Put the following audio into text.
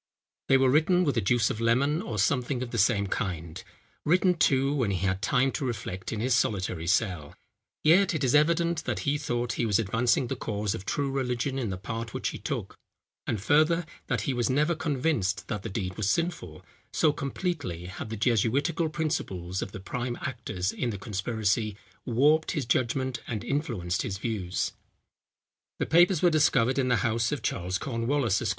They were written with the juice of lemon, or something of the same kind: written, too, when he had time to reflect in his solitary cell, yet it is evident that he thought he was advancing the cause of true religion in the part which he took; and, further, that he was never convinced that the deed was sinful, so completely had the jesuitical principles of the prime actors in the conspiracy warped his judgment and influenced his views. The papers were discovered in the house of Charles Cornwallis, Esq.